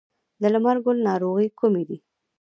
د لمر ګل ناروغۍ کومې دي؟